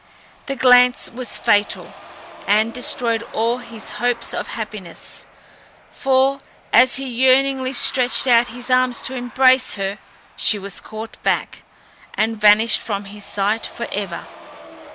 The glance was fatal, and destroyed all his hopes of happiness; for, as he yearningly stretched out his arms to embrace her, she was caught back, and vanished from his sight for ever.